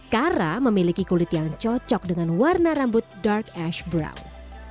kara memiliki kulit yang cocok dengan warna rambut dark ash brown